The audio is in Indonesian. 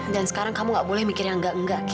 dan sekarang kamu nggak boleh mikir yang nggak nggak ki